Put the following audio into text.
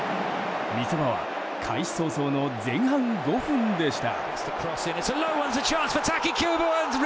見せ場は開始早々の前半５分でした。